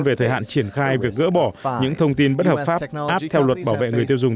về thời hạn triển khai việc gỡ bỏ những thông tin bất hợp pháp áp theo luật bảo vệ người tiêu dùng